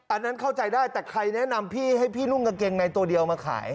อันนั้นเข้าใจได้แต่ใครแนะนำพี่ให้พี่นุ่งกางเกงในตัวเดียวมาขาย